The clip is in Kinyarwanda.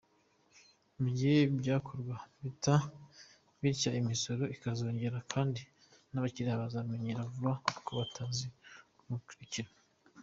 Mu gihe byakorwa bitya imisoro iziyongera kandi n’abakiliya bazamenyera vuba aho tuzaba twimukiye.